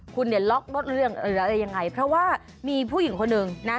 คุณเนี่ยล็อกรถเรื่องหรืออะไรยังไงเพราะว่ามีผู้หญิงคนหนึ่งนะ